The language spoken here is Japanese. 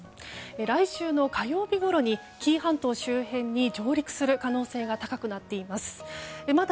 来週の火曜日ごろに紀伊半島周辺に上陸する可能性が高くなっています。